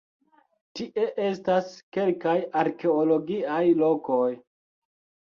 Tie estas kelkaj arkeologiaj lokoj.